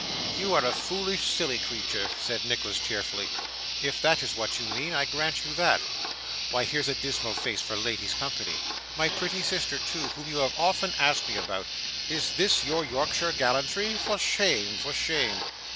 'You are a foolish, silly creature,' said Nicholas cheerfully. 'If that is what you mean, I grant you that. Why, here's a dismal face for ladies' company! my pretty sister too, whom you have so often asked me about. Is this your Yorkshire gallantry? For shame! for shame!